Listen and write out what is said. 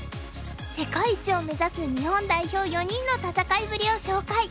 世界一を目指す日本代表４人の戦いぶりを紹介。